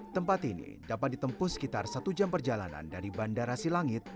tempat ini dapat ditempuh sekitar satu jam perjalanan dari bandara silangit